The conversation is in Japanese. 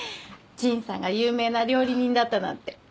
陳さんが有名な料理人だったなんて。